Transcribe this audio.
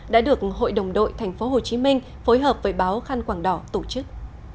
đã được hội đồng đội tp hcm phối hợp với báo khanh quảng đỏ tổ chức